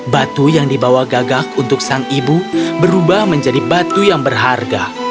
batu yang dibawa gagak untuk sang ibu berubah menjadi batu yang berharga